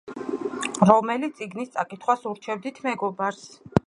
რომელი წიგნის წაკითხვას ურჩევდით მეგობარს?